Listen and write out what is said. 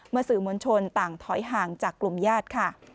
เมื่อสื่อมวลชนต่างถอยห่างจากกลุ่มญาติ